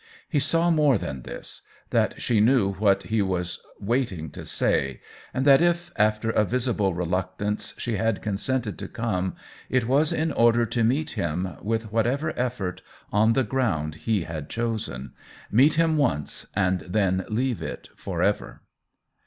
He saw more than this — that she knew what he was waiting to say, and that if, after a visible reluctance, she had consented to come, it was in order to meet him, with whatever effort, on the ground he had chosen — meet him once, and then leave it forever.